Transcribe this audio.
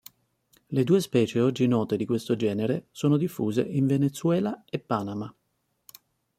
Le due specie oggi note di questo genere sono diffuse in Venezuela e Panama.